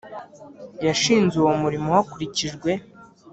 yashinze uwo murimo hakurikijwe